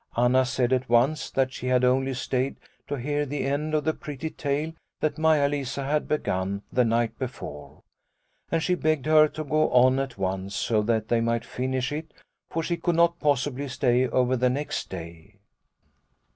Anna said at once that she had only stayed to hear the end of the pretty tale that Maia Lisa had begun the night before. And she begged her to go on at once so that they might finish it, for she could not possibly stay over the next day.